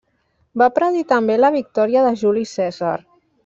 Va predir també la victòria de Juli Cèsar.